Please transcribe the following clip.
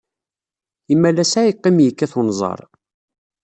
Imalas ay yeqqim yekkat wenẓar.